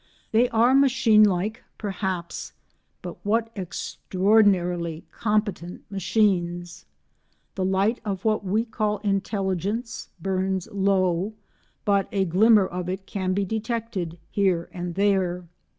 They are machine like, perhaps, but what extraordinarily competent machines! The light of what we call intelligence burns low, but a glimmer of it can be detected here and there.